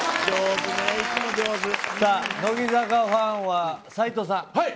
乃木坂ファンは斉藤さん。